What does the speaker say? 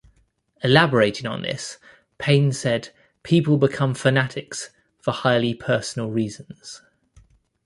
Elaborating on this, Payne said, People become fanatics for highly personal reasons.